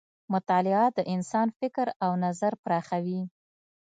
مطالعه د انسان فکر او نظر پراخوي.